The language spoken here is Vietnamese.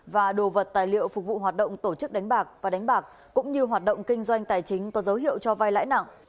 và đồ vật tài liệu phục vụ hoạt động tổ chức đánh bạc và đánh bạc cũng như hoạt động kinh doanh tài chính có dấu hiệu cho vai lãi nặng